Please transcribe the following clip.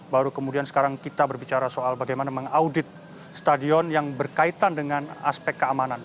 baru kemudian sekarang kita berbicara soal bagaimana mengaudit stadion yang berkaitan dengan aspek keamanan